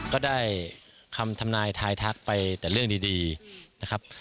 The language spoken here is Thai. ก็ได้คำทำนายทายทักไปแต่เรื่องดีนะครับ